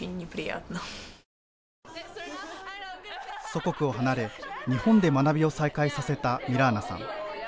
祖国を離れ日本で学びを再開させたミラーナさん。